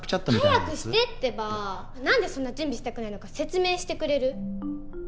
早くしてってば何でそんな準備したくないのか説明してくれる？